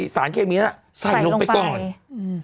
สารเคมีน่ะใส่ลงไปก่อนอืม